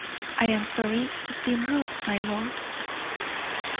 I am sorry to seem rude, my lord."